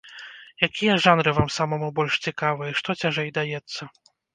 Якія жанры вам самому больш цікавыя, што цяжэй даецца?